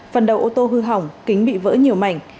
phần đầu ô tô hư hỏng kính bị vỡ nhiều mảnh